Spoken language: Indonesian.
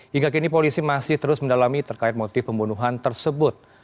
hingga kini polisi masih terus mendalami terkait motif pembunuhan tersebut